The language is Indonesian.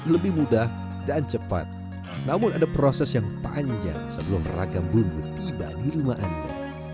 lebih mudah dan cepat namun ada proses yang panjang sebelum ragam bumbu tiba di rumah anda